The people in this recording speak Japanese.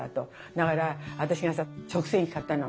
だから私がさ食洗器買ったの。